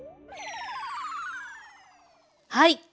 はい！